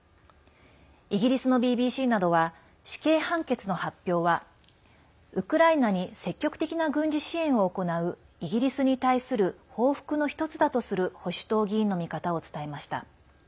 イギリスのＢＢＣなどは死刑判決の発表はウクライナに積極的な軍事支援を行うイギリスに対する報復の１つだとする保守党議員の見方を伝えました。